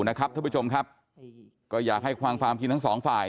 ทางคลินิกก็มีหลักฐานทั้งหมดเหมือนกัน